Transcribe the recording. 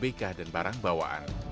kapal tanpa abk dan barang bawaan